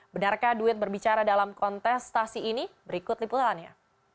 benarkah duit berbicara dalam kontestasi ini berikut liputannya